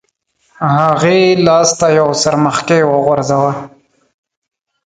هغې لاس ته یو څرمښکۍ وغورځاوه.